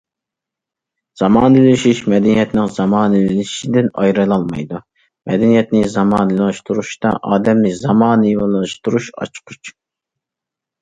زامانىۋىلىشىش مەدەنىيەتنىڭ زامانىۋىلىشىشىدىن ئايرىلالمايدۇ، مەدەنىيەتنى زامانىۋىلاشتۇرۇشتا ئادەمنى زامانىۋىلاشتۇرۇش ئاچقۇچ.